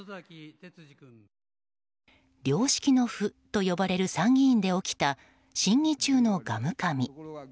良識の府と呼ばれる参議院で起きた審議中のガムかみ。